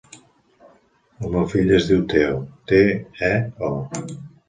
El meu fill es diu Teo: te, e, o.